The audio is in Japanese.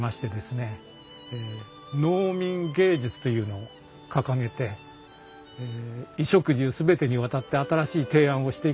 農民藝術というのを掲げて衣食住全てにわたって新しい提案をしていくわけです。